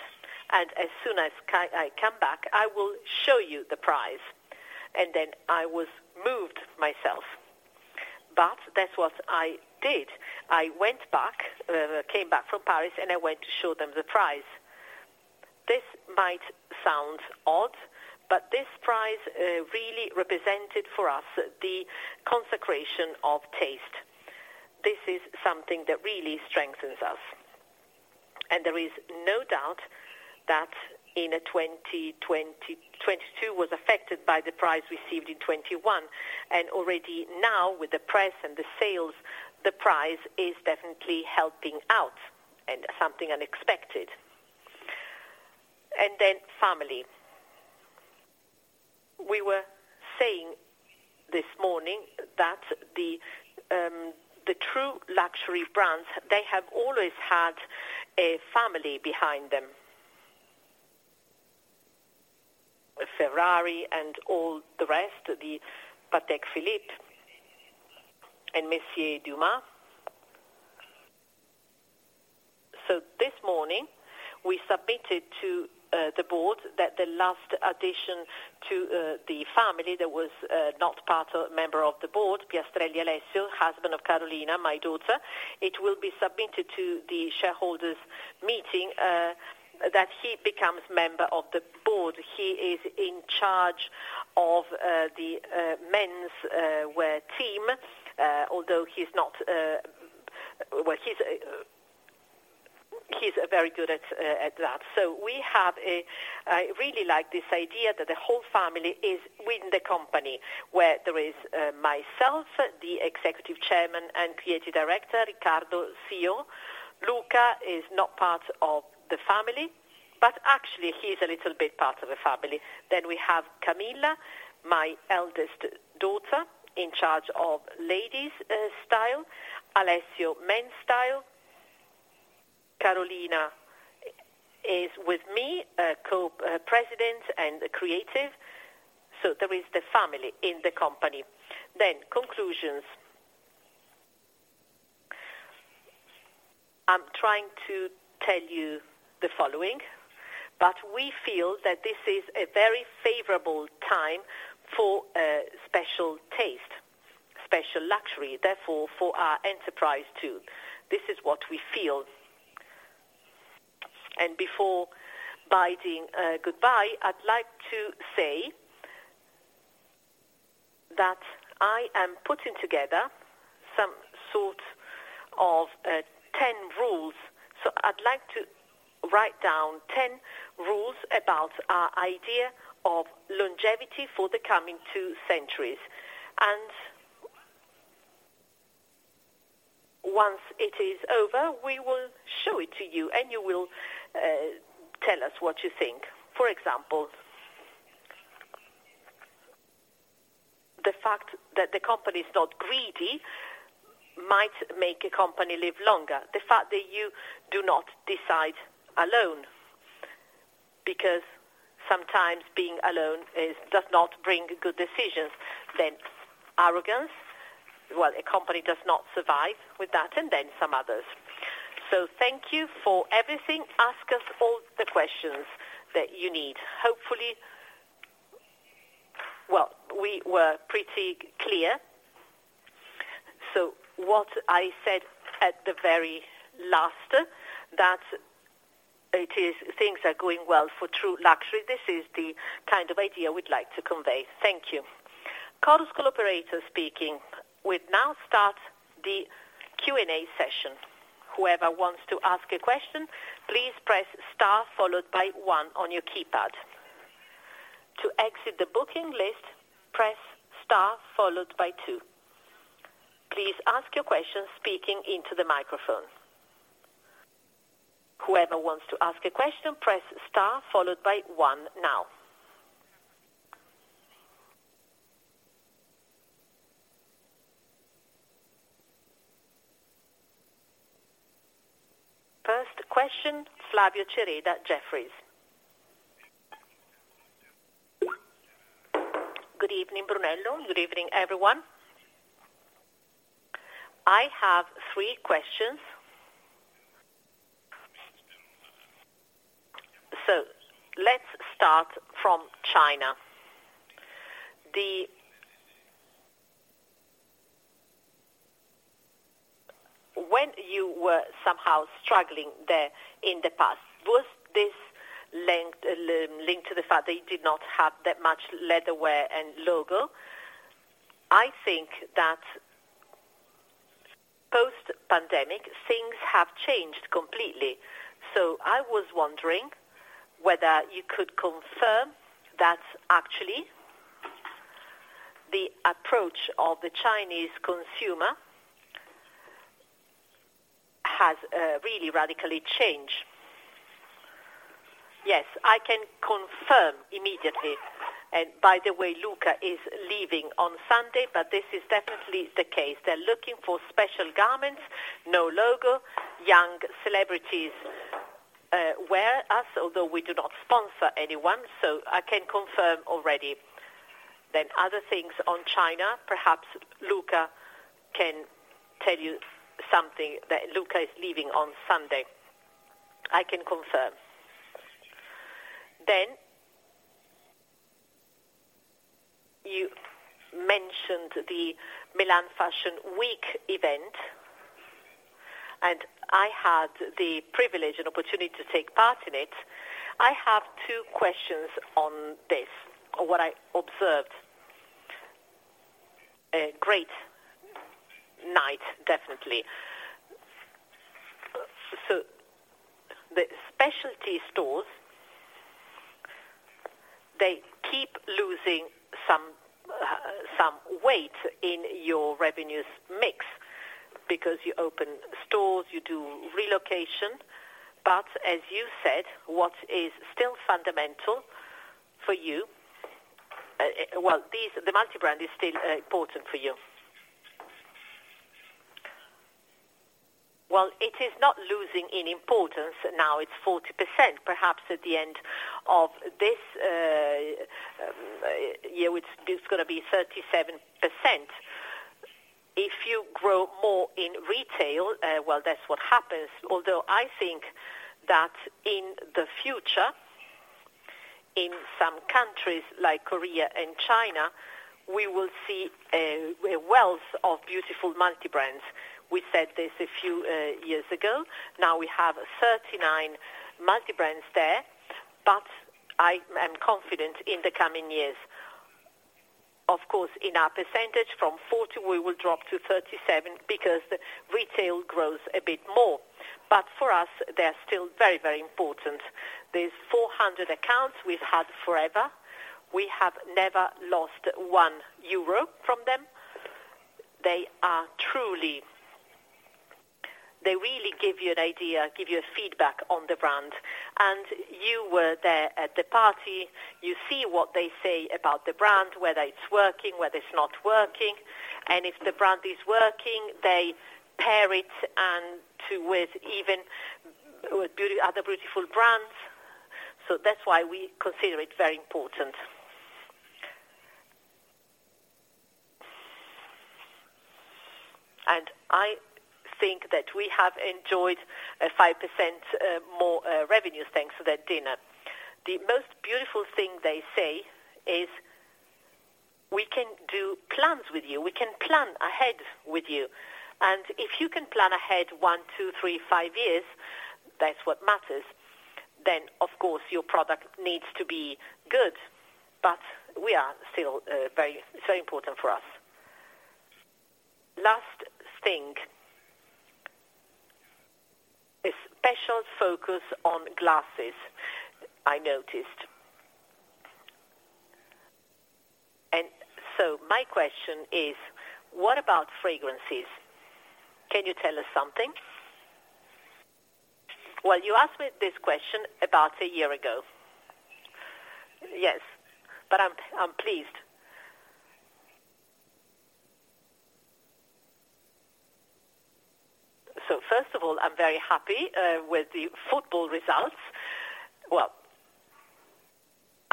as soon as I come back, I will show you the prize." I was moved myself. That's what I did. I went back, came back from Paris, I went to show them the prize. This might sound odd, but this prize really represented for us the consecration of taste. This is something that really strengthens us. There is no doubt that in 2022 was affected by the prize received in 2021, and already now with the press and the sales, the prize is definitely helping out and something unexpected. Then family. We were saying this morning that the true luxury brands, they have always had a family behind them. Ferrari and all the rest, the Patek Philippe and Monsieur Dumas. This morning, we submitted to the board that the last addition to the family that was not part or member of the board, Piastrelli Alessio, husband of Carolina, my daughter, it will be submitted to the shareholders meeting that he becomes member of the board. He is in charge of the men's wear team, although Well, he's very good at that. We have I really like this idea that the whole family is within the company, where there is myself, the Executive Chairman and Creative Director, Riccardo, CEO. Luca is not part of the family, but actually he's a little bit part of a family. We have Camilla, my eldest daughter, in charge of ladies style. Alessio, men's style. Carolina is with me, Co-President and Creative. There is the family in the company. Conclusions. I'm trying to tell you the following, but we feel that this is a very favorable time for special taste, special luxury, therefore for our enterprise too. This is what we feel. Before bidding goodbye, I'd like to say that I am putting together some sort of 10 rules. I'd like to write down 10 rules about our idea of longevity for the coming two centuries. Once it is over, we will show it to you, and you will tell us what you think. For example. The fact that the company is not greedy might make a company live longer. The fact that you do not decide alone, because sometimes being alone does not bring good decisions. Arrogance, well, a company does not survive with that, and then some others. Thank you for everything. Ask us all the questions that you need. Hopefully. Well, we were pretty clear. What I said at the very last, that things are going well for true luxury. This is the kind of idea we'd like to convey. Thank you. Carlos, call operator speaking. We'd now start the Q&A session. Whoever wants to ask a question, please press star followed by one on your keypad. To exit the booking list, press star followed by two. Please ask your question speaking into the microphone. Whoever wants to ask a question, press star followed by one now. First question, Flavio Cereda, Jefferies. Good evening, Brunello. Good evening, everyone. I have three questions. Let's start from China. When you were somehow struggling there in the past, was this length linked to the fact that you did not have that much leatherware and logo? I think that post-pandemic, things have changed completely. I was wondering whether you could confirm that actually the approach of the Chinese consumer has really radically changed. Yes, I can confirm immediately. By the way, Luca is leaving on Sunday, but this is definitely the case. They're looking for special garments, no logo, young celebrities wear us, although we do not sponsor anyone. I can confirm already. Other things on China, perhaps Luca can tell you something. Luca is leaving on Sunday. I can confirm. You mentioned the Milan Fashion Week event, I had the privilege and opportunity to take part in it. I have two questions on this or what I observed. A great night, definitely. The specialty stores, they keep losing some weight in your revenues mix because you open stores, you do relocation. As you said, what is still fundamental for you? The multi-brand is still important for you. It is not losing in importance. Now it's 40%. Perhaps at the end of this year, it's gonna be 37%. If you grow more in retail, well, that's what happens. Although I think that in the future, in some countries like Korea and China, we will see a wealth of beautiful multi-brands. We said this a few years ago. Now we have 39 multi-brands there, I am confident in the coming years. Of course, in our percentage from 40, we will drop to 37 because the retail grows a bit more. For us, they are still very, very important. These 400 accounts we've had forever. We have never lost 1 euro from them. They really give you an idea, give you a feedback on the brand. You were there at the party. You see what they say about the brand, whether it's working, whether it's not working. If the brand is working, they pair it with even other beautiful brands. That's why we consider it very important. I think that we have enjoyed a 5% more revenue thanks to that dinner. The most beautiful thing they say is, "We can do plans with you. We can plan ahead with you." If you can plan ahead 1, 2, 3, 5 years, that's what matters, of course your product needs to be good. We are still very important for us. Last thing. A special focus on glasses, I noticed. My question is, what about fragrances? Can you tell us something? Well, you asked me this question about a year ago. Yes, I'm pleased. First of all, I'm very happy with the football results.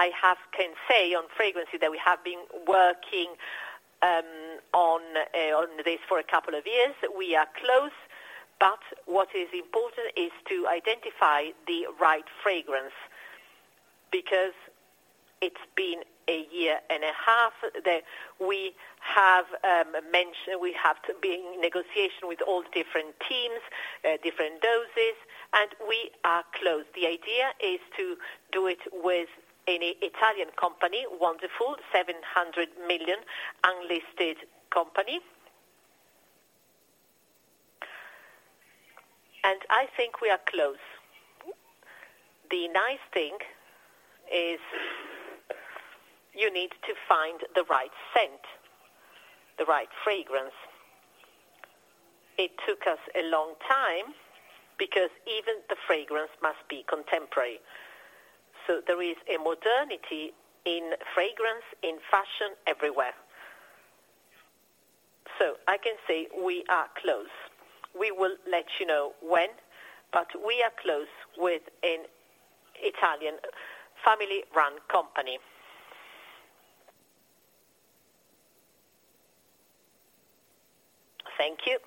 I can say on fragrances that we have been working on this for a couple of years. We are close, but what is important is to identify the right fragrance because it's been a year and a half that we have mentioned, we have to be in negotiation with all different teams, different doses, and we are close. The idea is to do it with an Italian company. Wonderful. 700 million unlisted company. I think we are close. The nice thing is you need to find the right scent, the right fragrance. It took us a long time because even the fragrance must be contemporary. There is a modernity in fragrance, in fashion, everywhere. I can say we are close. We will let you know when, but we are close with an Italian family-run company. Thank you.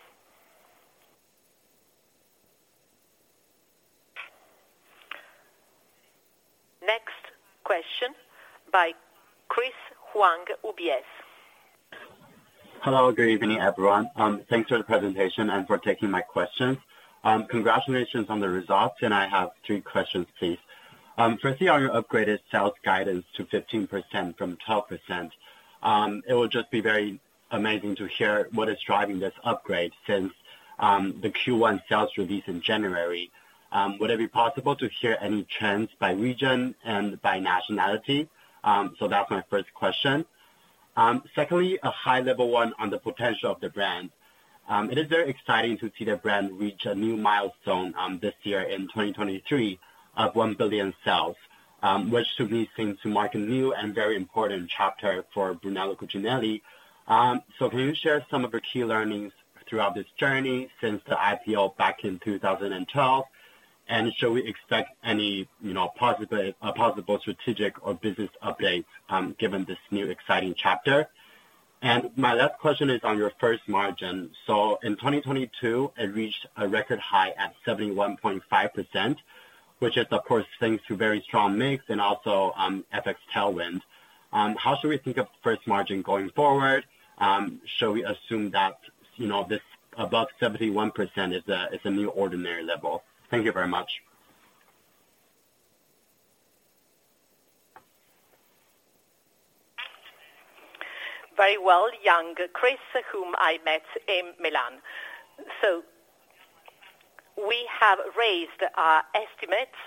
Next question by Chris Huang, UBS. Hello, good evening, everyone. Thanks for the presentation and for taking my questions. Congratulations on the results. I have three questions, please. Firstly, on your upgraded sales guidance to 15% from 12%, it would just be very amazing to hear what is driving this upgrade since the Q1 sales release in January. Would it be possible to hear any trends by region and by nationality? That's my first question. Secondly, a high-level one on the potential of the brand. It is very exciting to see the brand reach a new milestone this year in 2023 of 1 billion sales, which to me seems to mark a new and very important chapter for Brunello Cucinelli. Can you share some of your key learnings throughout this journey since the IPO back in 2012? Shall we expect any, you know, possible strategic or business update given this new exciting chapter? My last question is on your first margin. In 2022, it reached a record high at 71.5%, which is of course thanks to very strong mix and also FX tailwind. How should we think of first margin going forward? Shall we assume that, you know, this above 71% is a new ordinary level? Thank you very much. Very well, young Chris, whom I met in Milan. We have raised our estimates.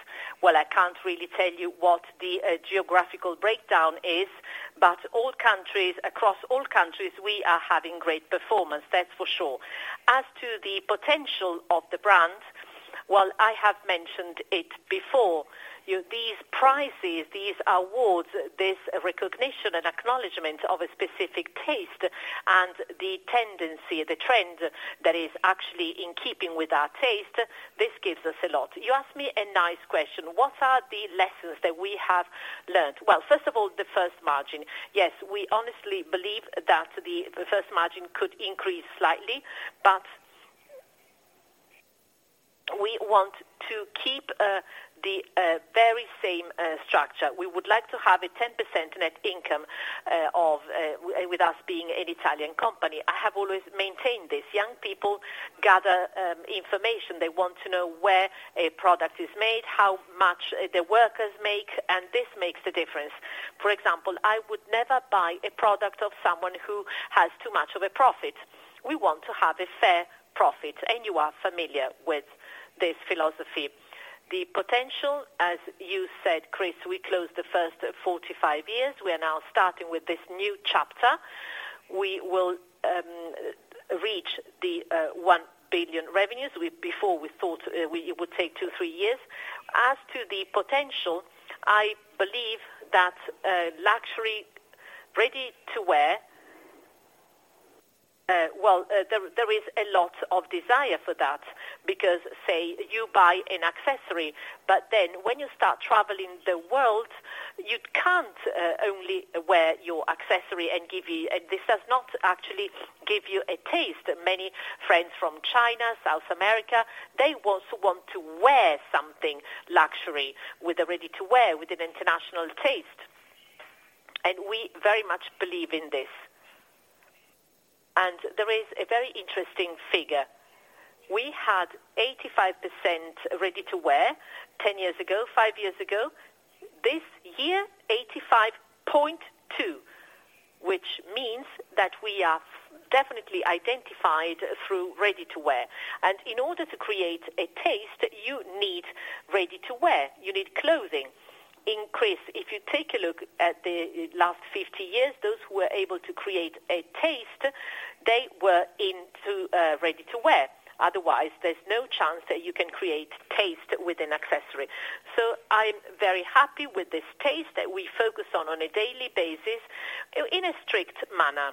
Well, I can't really tell you what the geographical breakdown is, but across all countries, we are having great performance, that's for sure. As to the potential of the brand, while I have mentioned it before, these prizes, these awards, this recognition and acknowledgement of a specific taste and the tendency, the trend that is actually in keeping with our taste, this gives us a lot. You asked me a nice question. What are the lessons that we have learned? Well, first of all, the first margin. Yes, we honestly believe that the first margin could increase slightly, but we want to keep the very same structure. We would like to have a 10% net income with us being an Italian company. I have always maintained this. Young people gather information. They want to know where a product is made, how much the workers make, and this makes a difference. For example, I would never buy a product of someone who has too much of a profit. We want to have a fair profit, and you are familiar with this philosophy. The potential, as you said, Chris, we closed the first 45 years. We are now starting with this new chapter. We will reach the 1 billion revenues. Before we thought it would take two, three years. As to the potential, I believe that luxury ready-to-wear, well, there is a lot of desire for that because, say, you buy an accessory, but then when you start traveling the world, you can't only wear your accessory and give you... This does not actually give you a taste. Many friends from China, South America, they also want to wear something luxury with the ready-to-wear with an international taste. We very much believe in this. There is a very interesting figure. We had 85% ready-to-wear 10 years ago, 5 years ago. This year, 85.2%, which means that we are definitely identified through ready-to-wear. In order to create a taste, you need ready-to-wear. You need clothing. Chris, if you take a look at the last 50 years, those who were able to create a taste, they were into ready-to-wear. Otherwise, there's no chance that you can create taste with an accessory. I'm very happy with this taste that we focus on a daily basis in a strict manner.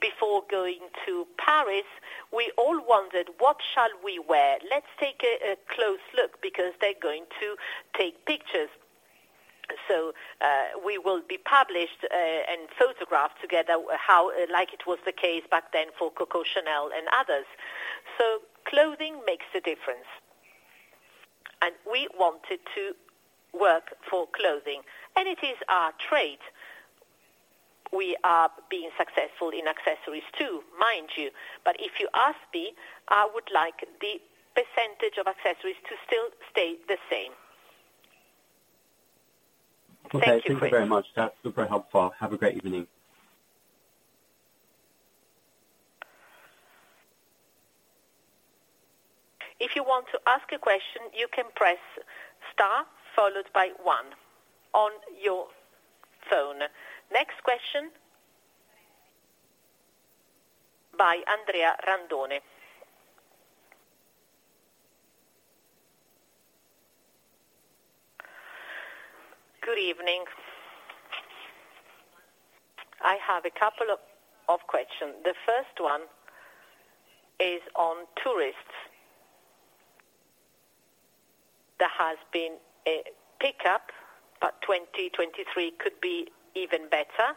Before going to Paris, we all wondered, what shall we wear? Let's take a close look because they're going to take pictures. We will be published and photographed together like it was the case back then for Coco Chanel and others. Clothing makes a difference. We wanted to work for clothing, and it is our trade. We are being successful in accessories, too, mind you. If you ask me, I would like the percentage of accessories to still stay the same. Thank you, Chris. Okay, thank you very much. That's super helpful. Have a great evening. If you want to ask a question, you can press star followed by one on your phone. Next question by Andrea Randone. Good evening. I have a couple of questions. The first one is on tourists. There has been a pickup, but 2023 could be even better.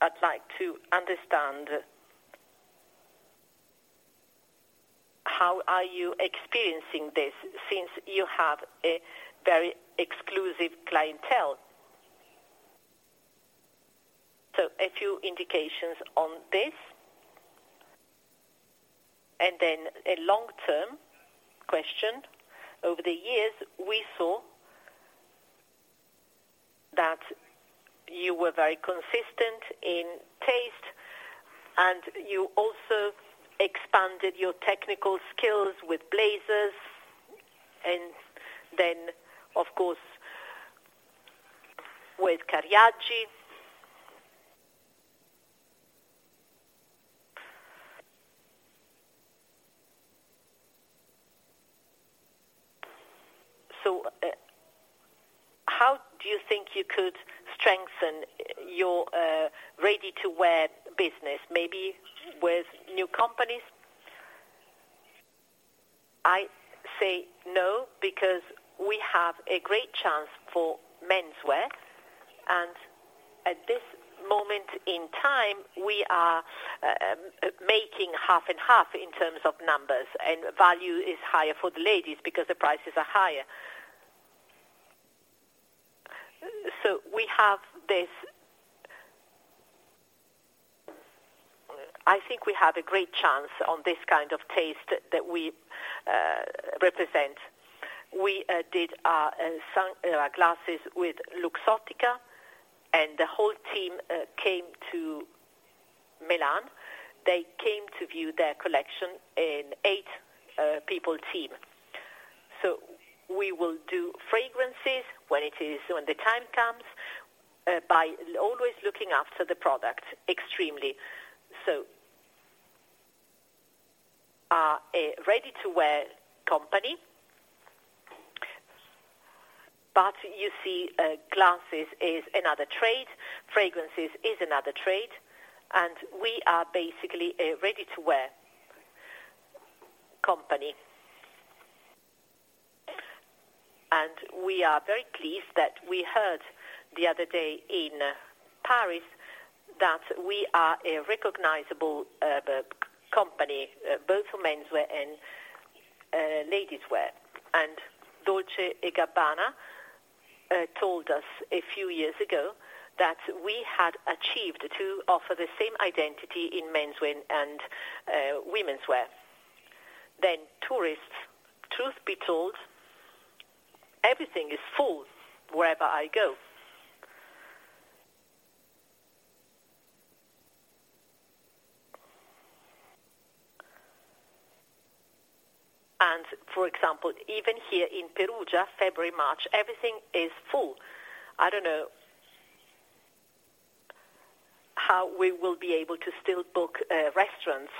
I'd like to understand how are you experiencing this since you have a very exclusive clientele. A few indications on this. A long-term question. Over the years, we saw that you were very consistent in taste, and you also expanded your technical skills with blazers and then, of course, with Cariaggi. Do you think you could strengthen your ready-to-wear business, maybe with new companies? I say no, because we have a great chance for menswear, and at this moment in time, we are making half and half in terms of numbers, and value is higher for the ladies because the prices are higher. We have this. I think we have a great chance on this kind of taste that we represent. We did some glasses with Luxottica, and the whole team came to Milan. They came to view their collection in eight people team. We will do fragrances when the time comes by always looking after the product extremely. A ready-to-wear company. You see, glasses is another trade, fragrances is another trade, and we are basically a ready-to-wear company. We are very pleased that we heard the other day in Paris that we are a recognizable company, both for menswear and ladieswear. Dolce & Gabbana told us a few years ago that we had achieved to offer the same identity in menswear and womenswear. Tourists, truth be told, everything is full wherever I go. For example, even here in Perugia, February, March, everything is full. I don't know how we will be able to still book restaurants.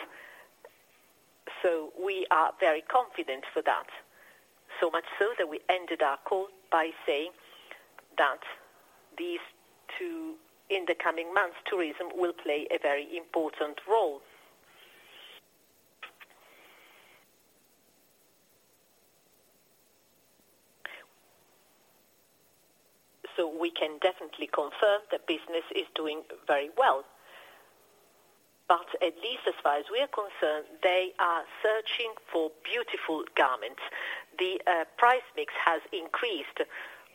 We are very confident for that. Much so that we ended our call by saying that in the coming months, tourism will play a very important role. We can definitely confirm that business is doing very well. At least as far as we are concerned, they are searching for beautiful garments. The price mix has increased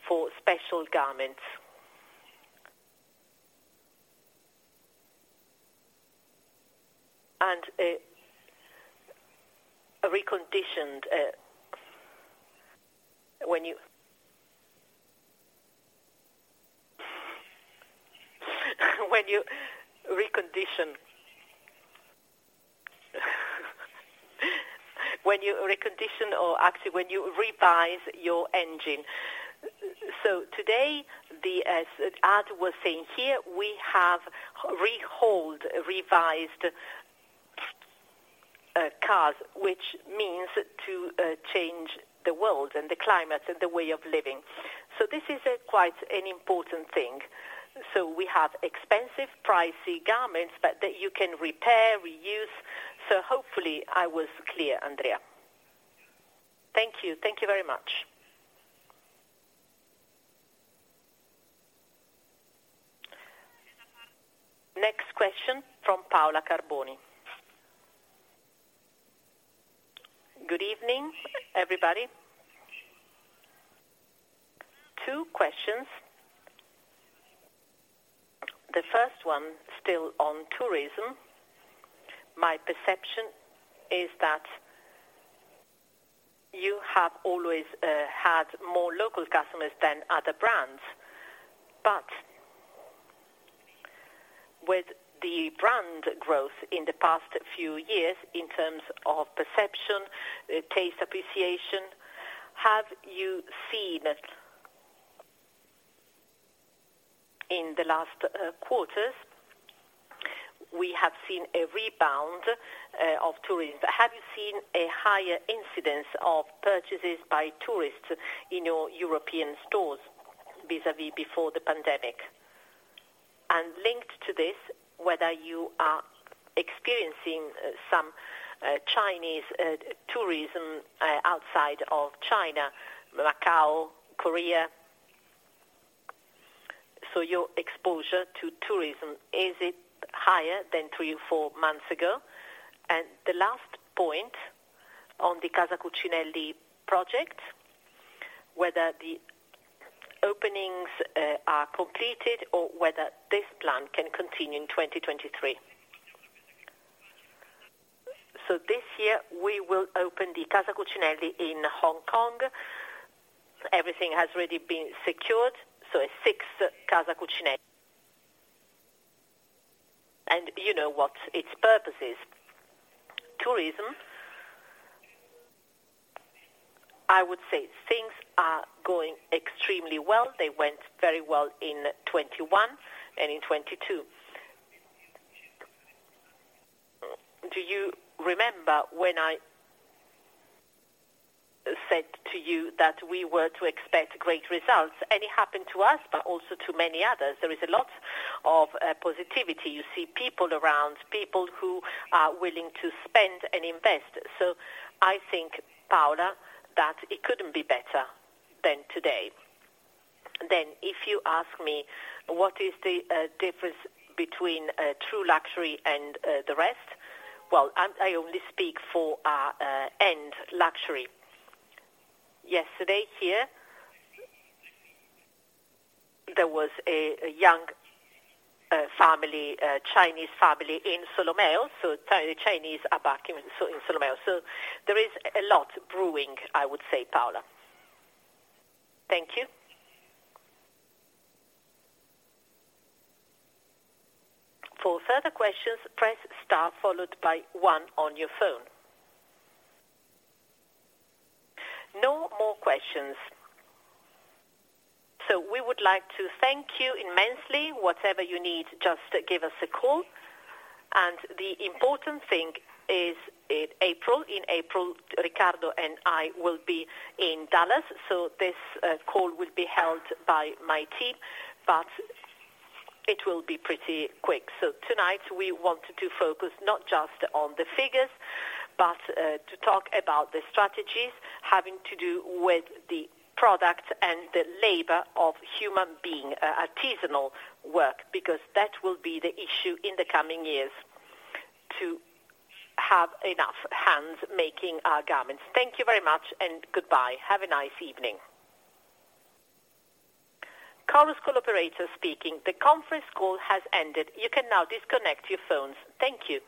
for special garments. Reconditioned, when you recondition or actually when you revise your engine. Today, as Ad was saying here, we have rehauled, revised cars, which means to change the world and the climate and the way of living. This is quite an important thing. We have expensive pricey garments, but that you can repair, reuse. Hopefully I was clear, Andrea. Thank you. Thank you very much. Next question from Paola Carboni. Good evening, everybody. Two questions. The first one still on tourism. My perception is that you have always had more local customers than other brands. With the brand growth in the past few years in terms of perception, taste appreciation, have you seen... In the last quarters, we have seen a rebound of tourism. Have you seen a higher incidence of purchases by tourists in your European stores vis-à-vis before the pandemic? Linked to this, whether you are experiencing some Chinese tourism outside of China, Macau, Korea. Your exposure to tourism, is it higher than 3 or 4 months ago? The last point on the Casa Cucinelli project, whether the openings are completed or whether this plan can continue in 2023. This year, we will open the Casa Cucinelli in Hong Kong. Everything has already been secured, so a 6th Casa Cucinelli. You know what its purpose is. Tourism, I would say things are going extremely well. They went very well in 2021 and in 2022. Do you remember when I said to you that we were to expect great results and it happened to us, but also to many others. There is a lot of positivity. You see people around, people who are willing to spend and invest. I think, Paola, that it couldn't be better than today. If you ask me, what is the difference between true luxury and the rest? Well, I only speak for our end luxury. Yesterday, here, there was a young family, a Chinese family in Solomeo, Chinese are back in Solomeo. There is a lot brewing, I would say, Paola. Thank you. For further questions, press star followed by one on your phone. No more questions. We would like to thank you immensely. Whatever you need, just give us a call. The important thing is in April, in April, Riccardo and I will be in Dallas. This call will be held by my team, but it will be pretty quick. Tonight we wanted to focus not just on the figures, but to talk about the strategies having to do with the product and the labor of human being, artisanal work, because that will be the issue in the coming years to have enough hands making our garments. Thank you very much and goodbye. Have a nice evening. Carlos, call operator speaking. The conference call has ended. You can now disconnect your phones. Thank you.